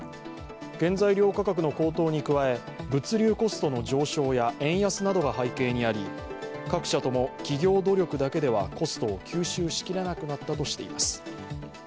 原材料価格の高騰に加え物流コストの上昇や円安などが背景にあり各社とも企業努力だけではコストを吸収しきれなくなったとしています。